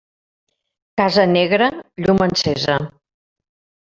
Casa negra, llum encesa.